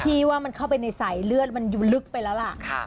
ที่ว่ามันเข้าไปในสายเลือดมันลึกไปแล้วล่ะ